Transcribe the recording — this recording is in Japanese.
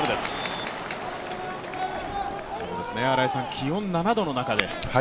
気温７度の中で。